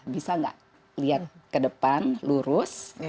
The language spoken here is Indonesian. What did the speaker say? bisa nggak lihat ke depan lurus